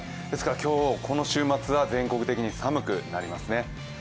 ですからこの週末は全国的に寒くなりますね。